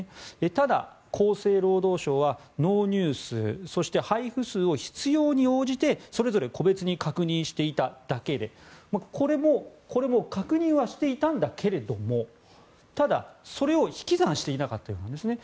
ただ、厚生労働省は納入数、そして配布数を必要に応じてそれぞれ個別に確認していただけでこれも確認はしていたんだけれどもただ、それを引き算していなかったんですね。